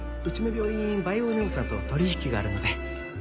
うちの病院バイオネオさんと取引があるので。